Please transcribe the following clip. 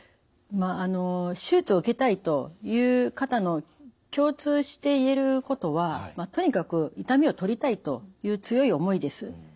まあ手術を受けたいという方の共通して言えることはとにかく痛みをとりたいという強い思いです。